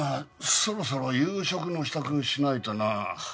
そろそろ夕食の支度しないとな。